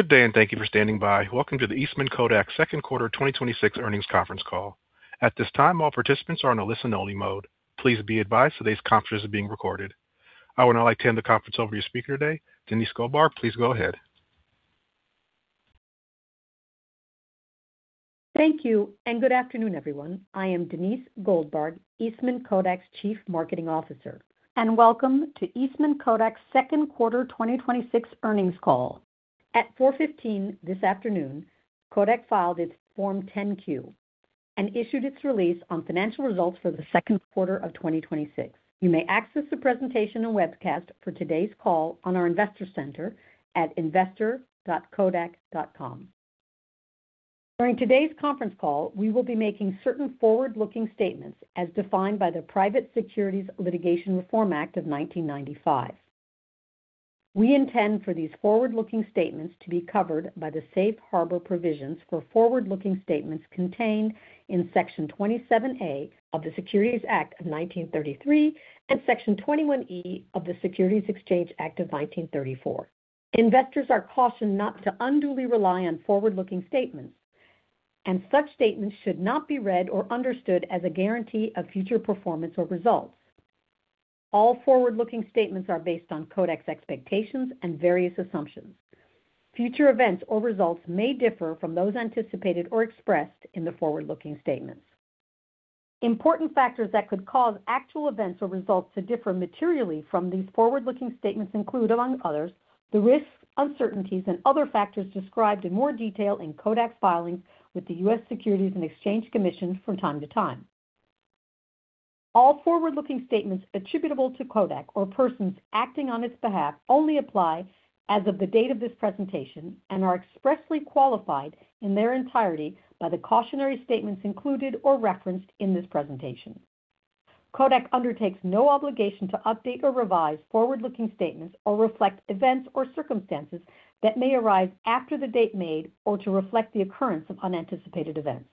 Good day, and thank you for standing by. Welcome to the Eastman Kodak Q2 2026 earnings conference call. At this time, all participants are in a listen only mode. Please be advised today's conference is being recorded. I would now like to hand the conference over to your speaker today, Denisse Goldbarg. Please go ahead. Thank you, and good afternoon, everyone. I am Denisse Goldbarg, Eastman Kodak's Chief Marketing Officer. Welcome to Eastman Kodak's Q2 2026 earnings call. At 4:15 P.M. this afternoon, Kodak filed its Form 10-Q and issued its release on financial results for the Q2 of 2026. You may access the presentation and webcast for today's call on our investor center at investor.kodak.com. During today's conference call, we will be making certain forward-looking statements as defined by the Private Securities Litigation Reform Act of 1995. We intend for these forward-looking statements to be covered by the safe harbor provisions for forward-looking statements contained in Section 27A of the Securities Act of 1933 and Section 21E of the Securities Exchange Act of 1934. Investors are cautioned not to unduly rely on forward-looking statements, and such statements should not be read or understood as a guarantee of future performance or results. All forward-looking statements are based on Kodak's expectations and various assumptions. Future events or results may differ from those anticipated or expressed in the forward-looking statements. Important factors that could cause actual events or results to differ materially from these forward-looking statements include, among others, the risks, uncertainties, and other factors described in more detail in Kodak's filings with the U.S. Securities and Exchange Commission from time to time. All forward-looking statements attributable to Kodak or persons acting on its behalf only apply as of the date of this presentation, are expressly qualified in their entirety by the cautionary statements included or referenced in this presentation. Kodak undertakes no obligation to update or revise forward-looking statements or reflect events or circumstances that may arise after the date made or to reflect the occurrence of unanticipated events.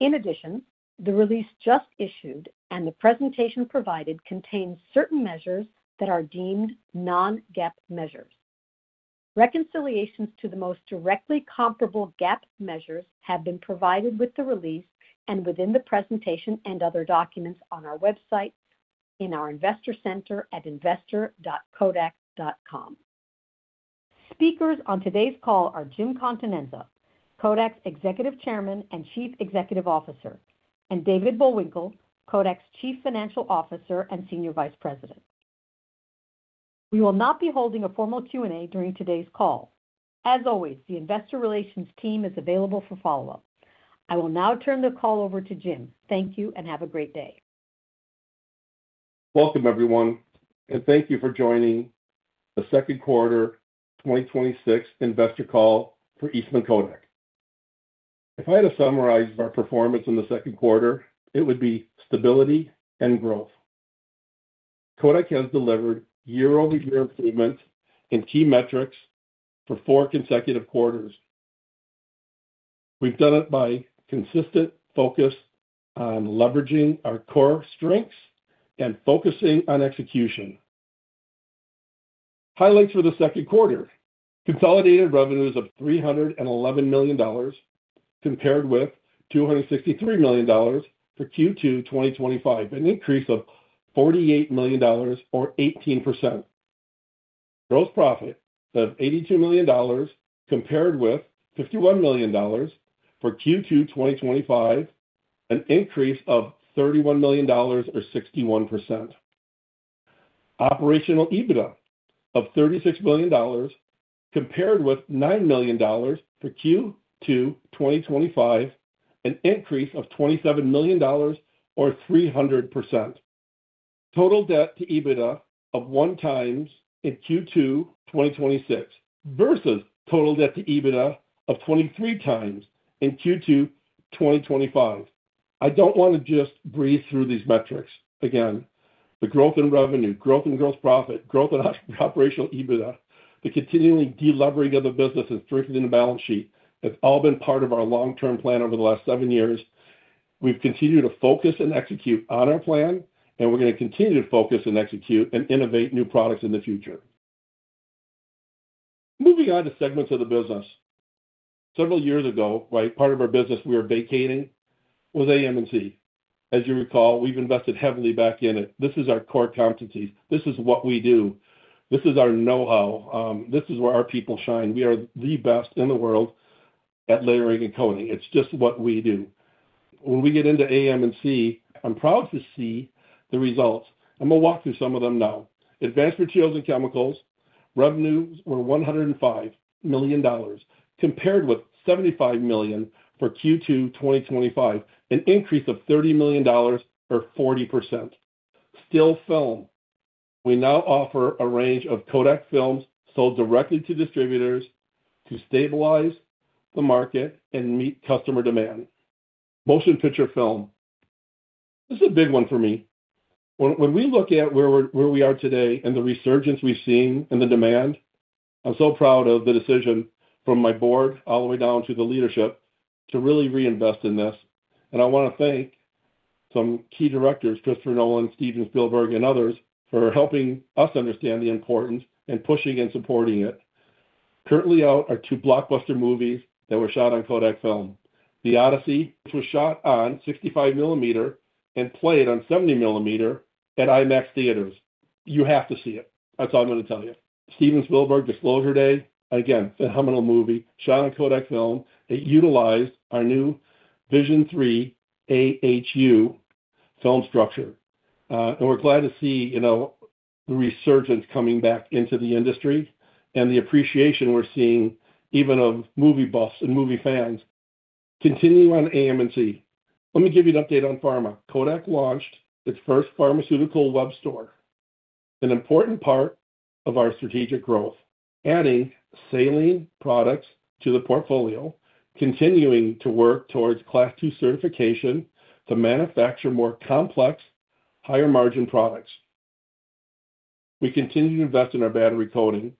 In addition, the release just issued and the presentation provided contains certain measures that are deemed non-GAAP measures. Reconciliations to the most directly comparable GAAP measures have been provided with the release and within the presentation and other documents on our website in our investor center at investor.kodak.com. Speakers on today's call are Jim Continenza, Kodak's Executive Chairman and Chief Executive Officer, and David Bullwinkle, Kodak's Chief Financial Officer and Senior Vice President. We will not be holding a formal Q&A during today's call. As always, the investor relations team is available for follow-up. I will now turn the call over to Jim. Thank you and have a great day. Welcome, everyone, thank you for joining the Q2 2026 investor call for Eastman Kodak. If I had to summarize our performance in the Q2, it would be stability and growth. Kodak has delivered year-over-year improvement in key metrics for four consecutive quarters. We've done it by consistent focus on leveraging our core strengths and focusing on execution. Highlights for the Q2, consolidated revenues of $311 million compared with $263 million for Q2 2025, an increase of $48 million or 18%. Gross profit of $82 million compared with $51 million for Q2 2025, an increase of $31 million or 61%. Operational EBITDA of $36 million compared with $9 million for Q2 2025, an increase of $27 million or 300%. Total debt to EBITDA of 1x in Q2 2026 versus total debt to EBITDA of 23 x in Q2 2025. I don't want to just breeze through these metrics. Again, the growth in revenue, growth in gross profit, growth in Operational EBITDA, the continuing deleveraging of the business and strengthening the balance sheet have all been part of our long-term plan over the last seven years. We've continued to focus and execute on our plan, we're going to continue to focus and execute and innovate new products in the future. Moving on to segments of the business. Several years ago, part of our business we were vacating was AM&C. As you recall, we've invested heavily back in it. This is our core competencies. This is what we do. This is our know-how. This is where our people shine. We are the best in the world at layering and coating. It's just what we do. When we get into AM&C, I'm proud to see the results, we'll walk through some of them now. Advanced Materials & Chemicals, revenues were $105 million, compared with $75 million for Q2 2025, an increase of $30 million or 40%. Still film, we now offer a range of Kodak films sold directly to distributors to stabilize the market and meet customer demand. Motion picture film, this is a big one for me. When we look at where we are today and the resurgence we've seen and the demand, I'm so proud of the decision from my board all the way down to the leadership to really reinvest in this. I want to thank some key directors, Christopher Nolan, Steven Spielberg, and others for helping us understand the importance and pushing and supporting it. Currently out are two blockbuster movies that were shot on Kodak film. The Odyssey," which was shot on 65mm and played on 70mm at IMAX theaters. You have to see it. That's all I'm going to tell you. Steven Spielberg, "Disclosure Day," again, phenomenal movie, shot on Kodak film. It utilized our new VISION3 AHU film structure. We're glad to see the resurgence coming back into the industry and the appreciation we're seeing even of movie buffs and movie fans. Continue on AM&C. Let me give you an update on pharma. Kodak launched its first pharmaceutical web store, an important part of our strategic growth, adding saline products to the portfolio, continuing to work towards Class two certification to manufacture more complex, higher-margin products. We continue to invest in our battery coating.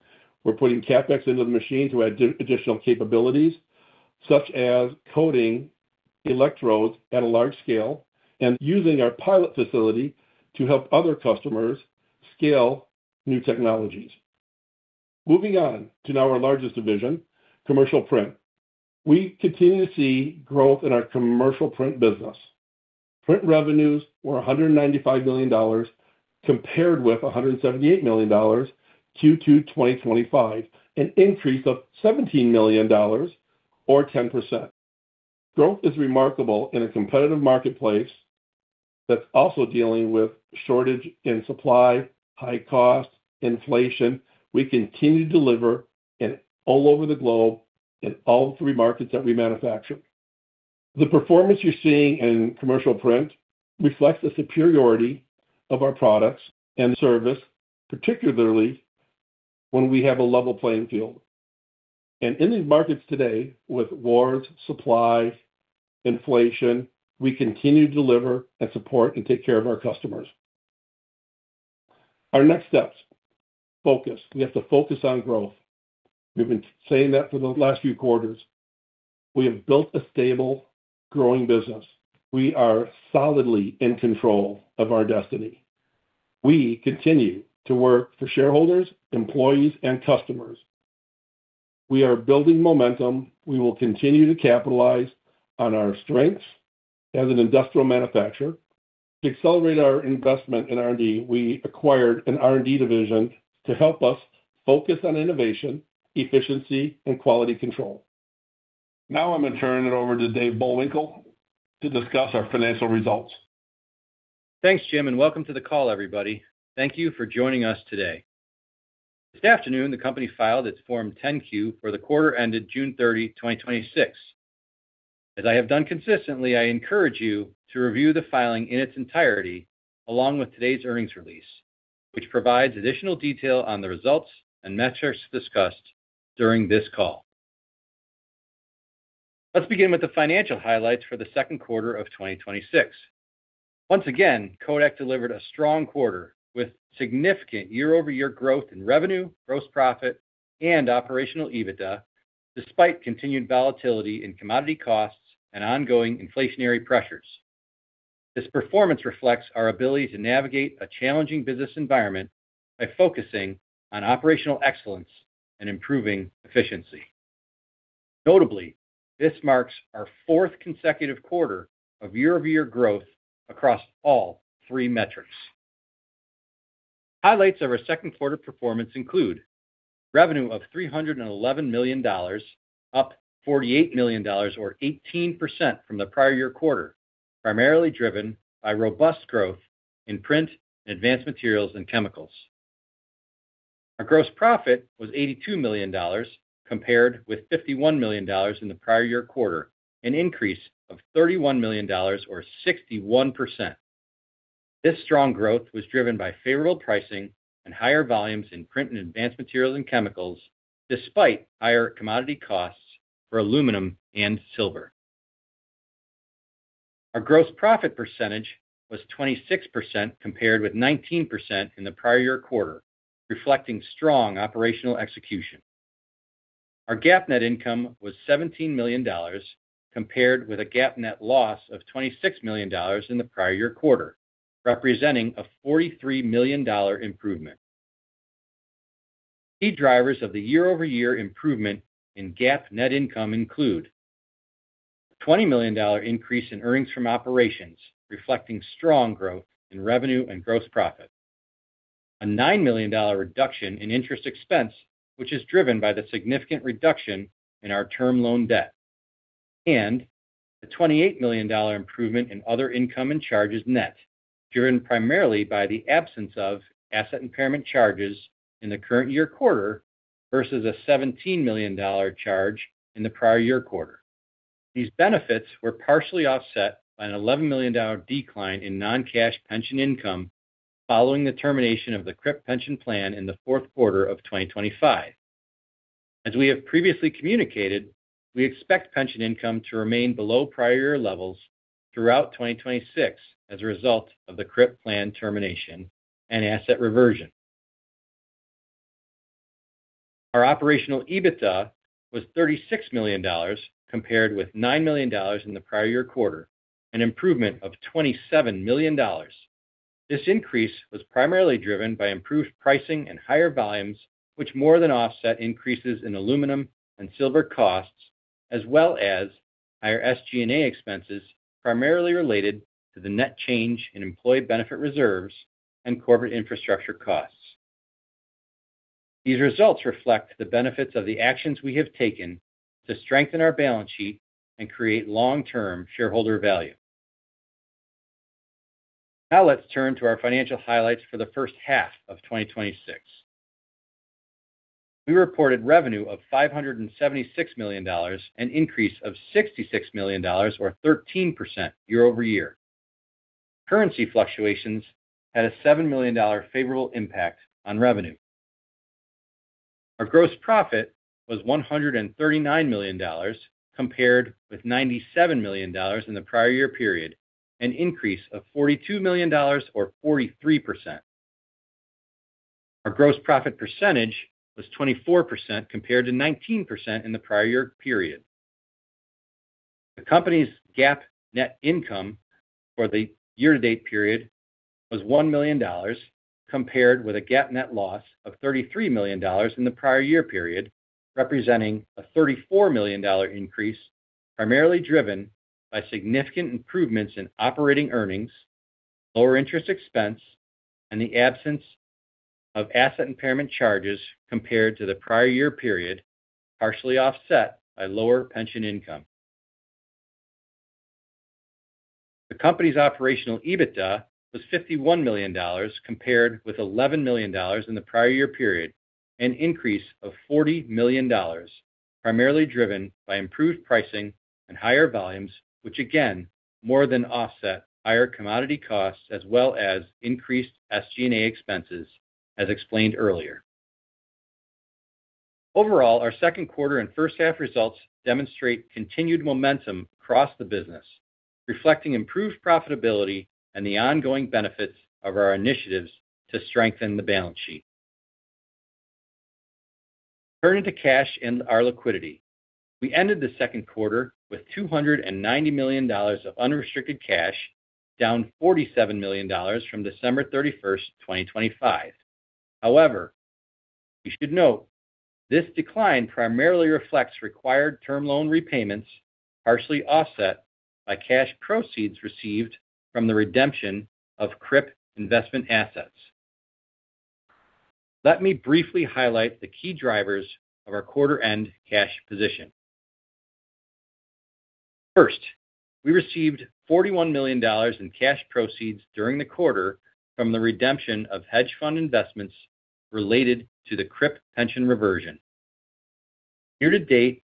We're putting CapEx into the machine to add additional capabilities, such as coating electrodes at a large scale, and using our pilot facility to help other customers scale new technologies. Moving on to now our largest division, commercial print. We continue to see growth in our commercial print business. Print revenues were $195 million, compared with $178 million Q2 2025, an increase of $17 million or 10%. Growth is remarkable in a competitive marketplace that's also dealing with shortage in supply, high cost, inflation. We continue to deliver all over the globe in all three markets that we manufacture. The performance you're seeing in commercial print reflects the superiority of our products and service, particularly when we have a level playing field. In these markets today with wars, supply, inflation, we continue to deliver and support and take care of our customers. Our next steps. Focus. We have to focus on growth. We've been saying that for the last few quarters. We have built a stable growing business. We are solidly in control of our destiny. We continue to work for shareholders, employees, and customers. We are building momentum. We will continue to capitalize on our strengths as an industrial manufacturer. To accelerate our investment in R&D, we acquired an R&D division to help us focus on innovation, efficiency, and quality control. Now, I'm going to turn it over to Dave Bullwinkle to discuss our financial results. Thanks, Jim, and welcome to the call, everybody. Thank you for joining us today. This afternoon, the company filed its Form 10-Q for the quarter ended June 30, 2026. As I have done consistently, I encourage you to review the filing in its entirety along with today's earnings release, which provides additional detail on the results and metrics discussed during this call. Let's begin with the financial highlights for the Q2 of 2026. Once again, Kodak delivered a strong quarter with significant year-over-year growth in revenue, gross profit, and Operational EBITDA, despite continued volatility in commodity costs and ongoing inflationary pressures. This performance reflects our ability to navigate a challenging business environment by focusing on operational excellence and improving efficiency. Notably, this marks our fourth consecutive quarter of year-over-year growth across all three metrics. Highlights of our Q2 performance include revenue of $311 million, up $48 million or 18% from the prior year quarter, primarily driven by robust growth in print, Advanced Materials & Chemicals. Our gross profit was $82 million, compared with $51 million in the prior year quarter, an increase of $31 million or 61%. This strong growth was driven by favorable pricing and higher volumes in print and Advanced Materials & Chemicals, despite higher commodity costs for aluminum and silver. Our gross profit percentage was 26%, compared with 19% in the prior year quarter, reflecting strong operational execution. Our GAAP net income was $17 million, compared with a GAAP net loss of $26 million in the prior year quarter, representing a $43 million improvement. Key drivers of the year-over-year improvement in GAAP net income include a $20 million increase in earnings from operations, reflecting strong growth in revenue and gross profit. A $9 million reduction in interest expense, which is driven by the significant reduction in our term loan debt, and a $28 million improvement in other income and charges net, driven primarily by the absence of asset impairment charges in the current year quarter versus a $17 million charge in the prior year quarter. These benefits were partially offset by an $11 million decline in non-cash pension income following the termination of the KRIP pension plan in the Q4 of 2025. As we have previously communicated, we expect pension income to remain below prior year levels throughout 2026 as a result of the KRIP plan termination and asset reversion. Our Operational EBITDA was $36 million compared with $9 million in the prior year quarter, an improvement of $27 million. This increase was primarily driven by improved pricing and higher volumes, which more than offset increases in aluminum and silver costs, as well as higher SG&A expenses, primarily related to the net change in employee benefit reserves and corporate infrastructure costs. These results reflect the benefits of the actions we have taken to strengthen our balance sheet and create long-term shareholder value. Let's turn to our financial highlights for the first half of 2026. We reported revenue of $576 million, an increase of $66 million, or 13%, year-over-year. Currency fluctuations had a $7 million favorable impact on revenue. Our gross profit was $139 million, compared with $97 million in the prior year period, an increase of $42 million, or 43%. Our gross profit percentage was 24%, compared to 19% in the prior year period. The company's GAAP net income for the year-to-date period was $1 million, compared with a GAAP net loss of $33 million in the prior year period, representing a $34 million increase, primarily driven by significant improvements in operating earnings, lower interest expense, and the absence of asset impairment charges compared to the prior year period, partially offset by lower pension income. The company's Operational EBITDA was $51 million, compared with $11 million in the prior year period, an increase of $40 million, primarily driven by improved pricing and higher volumes, which again more than offset higher commodity costs as well as increased SG&A expenses, as explained earlier. Overall, our Q2 and first half results demonstrate continued momentum across the business, reflecting improved profitability and the ongoing benefits of our initiatives to strengthen the balance sheet. Turning to cash and our liquidity, we ended the Q2 with $290 million of unrestricted cash, down $47 million from December 31st, 2025. However, you should note this decline primarily reflects required term loan repayments, partially offset by cash proceeds received from the redemption of KRIP investment assets. Let me briefly highlight the key drivers of our quarter-end cash position. First, we received $41 million in cash proceeds during the quarter from the redemption of hedge fund investments related to the KRIP pension reversion. Year to date,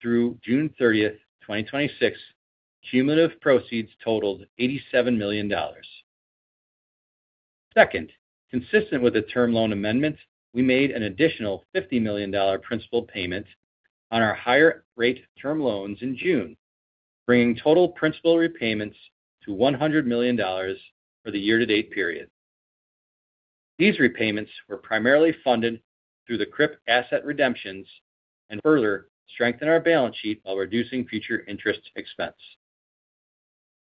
through June 30th, 2026, cumulative proceeds totaled $87 million. Second, consistent with the term loan amendment, we made an additional $50 million principal payment on our higher rate term loans in June, bringing total principal repayments to $100 million for the year-to-date period. These repayments were primarily funded through the KRIP asset redemptions and further strengthen our balance sheet while reducing future interest expense.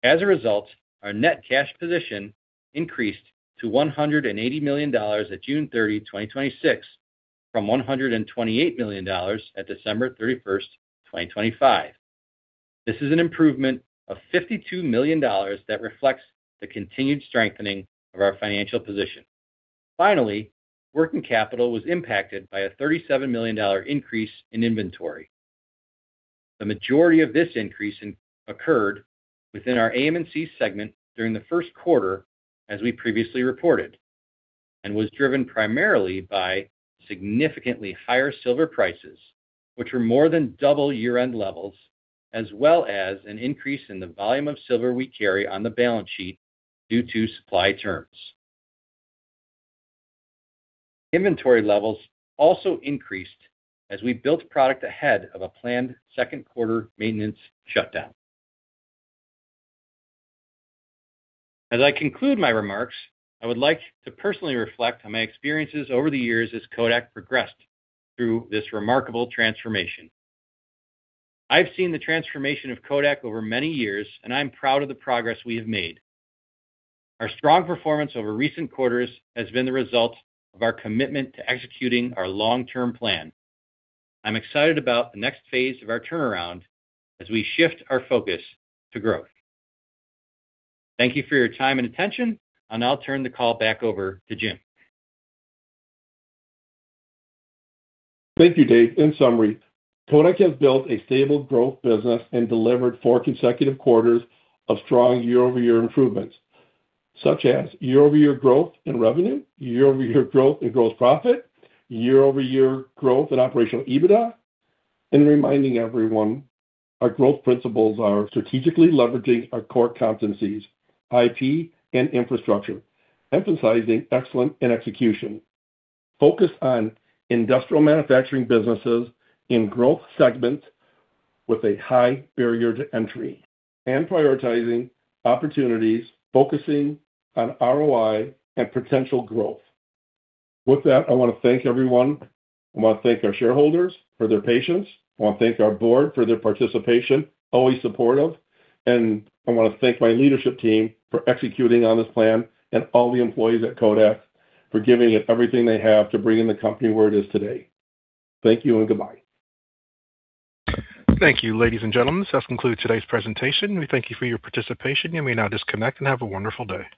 As a result, our net cash position increased to $180 million at June 30, 2026, from $128 million at December 31, 2025. This is an improvement of $52 million that reflects the continued strengthening of our financial position. Finally, working capital was impacted by a $37 million increase in inventory. The majority of this increase occurred within our AM&C segment during the Q1, as we previously reported, and was driven primarily by significantly higher silver prices, which were more than double year-end levels, as well as an increase in the volume of silver we carry on the balance sheet due to supply terms. Inventory levels also increased as we built product ahead of a planned Q2 maintenance shutdown. As I conclude my remarks, I would like to personally reflect on my experiences over the years as Kodak progressed through this remarkable transformation. I've seen the transformation of Kodak over many years, and I'm proud of the progress we have made. Our strong performance over recent quarters has been the result of our commitment to executing our long-term plan. I'm excited about the next phase of our turnaround as we shift our focus to growth. Thank you for your time and attention. I'll now turn the call back over to Jim. Thank you, Dave. In summary, Kodak has built a stable growth business and delivered four consecutive quarters of strong year-over-year improvements, such as year-over-year growth in revenue, year-over-year growth in gross profit, year-over-year growth in Operational EBITDA. Reminding everyone, our growth principles are strategically leveraging our core competencies, IP and infrastructure, emphasizing excellence in execution, focused on industrial manufacturing businesses in growth segments with a high barrier to entry, and prioritizing opportunities, focusing on ROI and potential growth. With that, I want to thank everyone. I want to thank our shareholders for their patience. I want to thank our board for their participation, always supportive. I want to thank my leadership team for executing on this plan and all the employees at Kodak for giving it everything they have to bring in the company where it is today. Thank you and goodbye. Thank you, ladies and gentlemen. This does conclude today's presentation. We thank you for your participation. You may now disconnect and have a wonderful day.